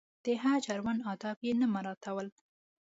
د حج اړوند آداب یې نه مراعاتول.